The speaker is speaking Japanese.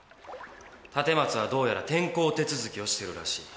立松はどうやら転校手続きをしてるらしい。